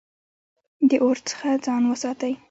د اور څخه ځان وساتئ